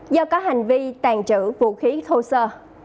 do có hành vi tàn trữ vũ khí thô sơ